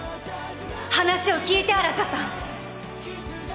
話を聞いて新さん！